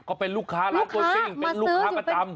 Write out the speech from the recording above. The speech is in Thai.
ก็เป็นลูกค้าร้านตัวซิ่งเป็นลูกค้าประจำ